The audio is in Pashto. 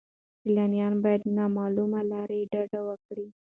سیلانیان باید له نامعلومو لارو ډډه وکړي.